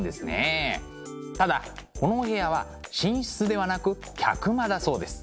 ただこのお部屋は寝室ではなく客間だそうです。